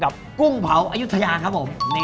กุ้งเผาอายุทยาครับผม